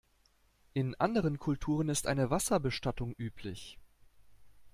In anderen Kulturen ist eine Wasserbestattung üblich.